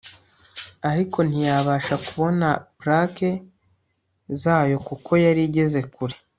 ariko ntiyabasha kubona plaque za yo kuko yari igeze kure